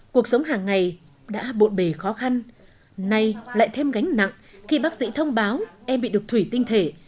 cuộc sống hàng ngày đã bộn bề khó khăn nay lại thêm gánh nặng khi bác sĩ thông báo em bị đục thủy tinh thể